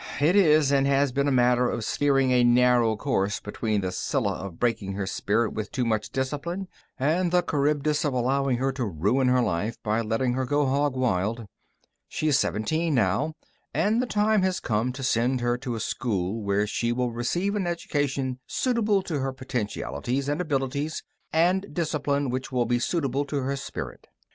It is and has been a matter of steering a narrow course between the Scylla of breaking her spirit with too much discipline and the Charybdis of allowing her to ruin her life by letting her go hog wild. She is seventeen now, and the time has come to send her to a school where she will receive an education suitable to her potentialities and abilities, and discipline which will be suitable to her spirit.